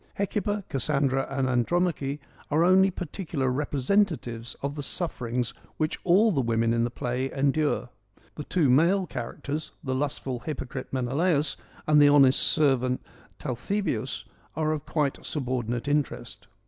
Hecuba, Cassandra and Andromache are only particular representatives of the sufferings which all the women in the play endure. The two male characters, the lustful hypocrite Menelaus and the honest servant Talthybius are of quite subordin ate interest.